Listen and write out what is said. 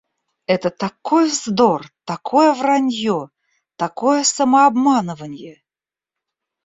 Это такой вздор, такое вранье, такое самообманыванье.